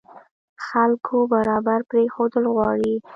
خلکو برابر پرېښودل غواړي.